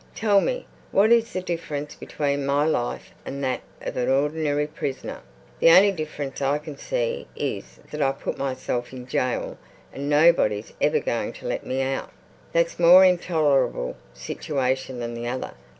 "Tell me, what is the difference between my life and that of an ordinary prisoner. The only difference I can see is that I put myself in jail and nobody's ever going to let me out. That's a more intolerable situation than the other.